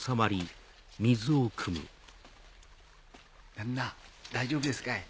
だんな大丈夫ですかい？